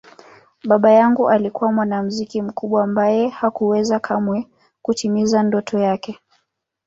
Baba yangu alikuwa mwanamuziki mkubwa ambaye hakuweza kamwe kutimiza ndoto yake.